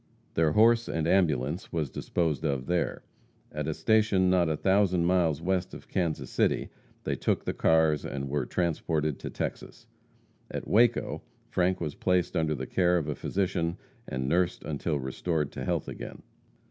Their horse and ambulance was disposed of there. At a station not a thousand miles west of Kansas City they took the cars, and were transported to Texas. At Waco, Frank was placed under the care of a physician, and nursed until restored to health again.